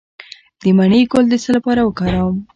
د مڼې ګل د څه لپاره وکاروم؟